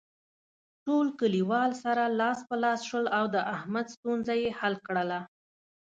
ټول کلیوال سره لاس په لاس شول او د احمد ستونزه یې حل کړله.